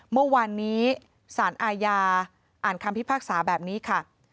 เมื่อวานนี้สารอาญาอ่านคำพิพากษาแบบนี้ค่ะ